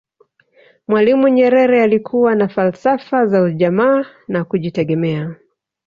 mwalimu nyerere alikuwa na falsafa za ujamaa na kujitegemea